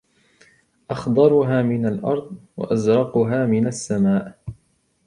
أخضرها من الأرض، وأزرقها من السماء